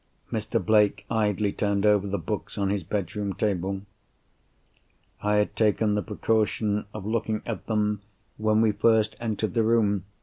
Mr. Blake idly turned over the books on his bedroom table. I had taken the precaution of looking at them, when we first entered the room.